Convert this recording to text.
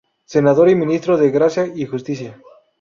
Senador y ministro de Gracia y Justicia.